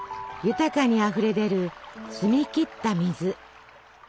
豊かにあふれ出る澄み切った水。